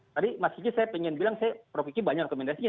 tadi mas kiki saya ingin bilang saya prof kiki banyak rekomendasinya